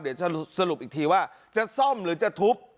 เดี๋ยวจะสรุปอีกทีว่าจะซ่อมหรือจะทุบ